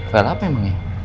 file apa emangnya